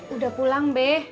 udah pulang beh